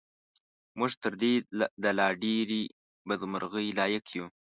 موږ تر دې د لا ډېرې بدمرغۍ لایق یو.